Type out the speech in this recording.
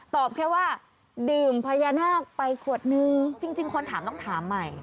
แค่ว่าดื่มพญานาคไปขวดนึงจริงคนถามต้องถามใหม่